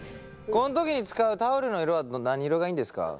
この時に使うタオルの色は何色がいいんですか？